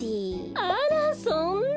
あらそんな。